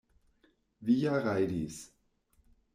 Vi ja rajdis!